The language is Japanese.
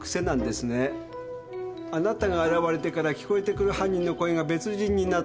あなたが現れてから聞こえてくる犯人の声が別人になった。